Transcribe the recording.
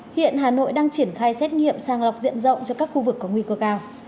hiện hà nội đang triển khai xét nghiệm sang lọc diện rộng cho các khu vực có nguy cơ cao